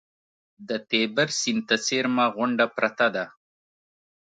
د تیبر سیند ته څېرمه غونډه پرته ده.